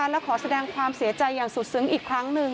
และขอแสดงความเสียใจอย่างสุดซึ้งอีกครั้งหนึ่ง